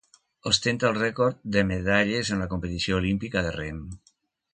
Ostenta el rècord de medalles en la competició olímpica de rem.